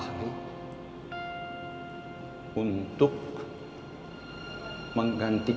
jangan suka senang berada gw